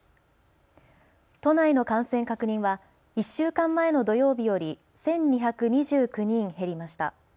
都内の感染確認は１週間前の土曜日より１２２９人減りました。